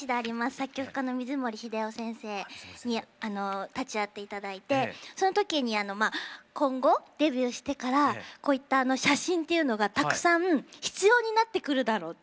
作曲家の水森英夫先生に立ち会って頂いてその時にまあ今後デビューしてからこういった写真っていうのがたくさん必要になってくるだろう。